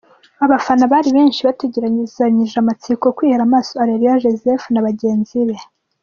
Abafana bari benshi batagerezanyije amatsiko kwihera amaso Areruya Joseph na bagenzi be